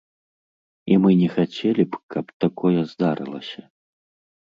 І мы не хацелі б, каб такое здарылася.